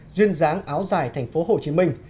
duyên dáng áo dài tp hcm